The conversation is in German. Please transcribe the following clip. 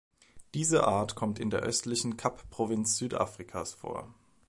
Diese Art kommt in der östlichen Kapprovinz Südafrikas vor.